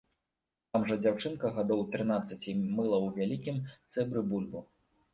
Там жа дзяўчынка гадоў трынаццаці мыла ў вялікім цэбры бульбу.